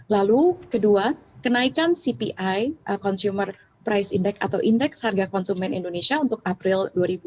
lalu kedua kenaikan cpi consumer price index atau indeks harga konsumen indonesia untuk april dua ribu dua puluh